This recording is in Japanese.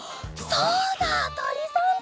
そうだとりさんだ。